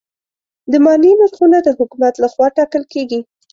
د مالیې نرخونه د حکومت لخوا ټاکل کېږي.